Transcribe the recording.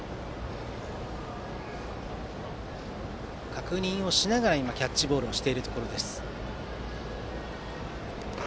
確認しながらキャッチボールをしています。